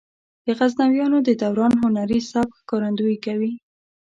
د غزنویانو د دوران هنري سبک ښکارندويي کوي.